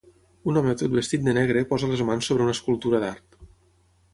Un home tot vestit de negre posa les mans sobre una escultura d'art.